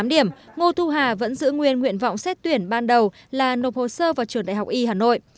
với hai mươi chín tám điểm ngô thu hà vẫn giữ nguyên nguyện vọng xét tuyển ban đầu là nộp hồ sơ vào trường đại học y hà nội